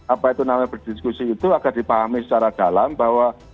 apa itu namanya berdiskusi itu agar dipahami secara dalam bahwa